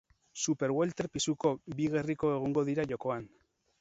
Superwelter pisuko bi gerriko egongo dira jokoan.